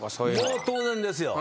もう当然ですよ。